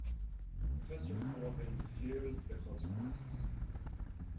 Professor Forbin fears the consequences.